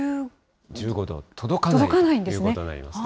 届かないということになりますね。